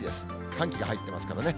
寒気が入っていますからね。